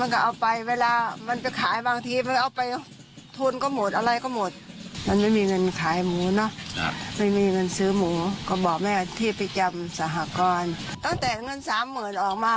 ก็บอกแม่ที่ไปจำสหกรตั้งแต่เงิน๓หมื่นบาทออกมา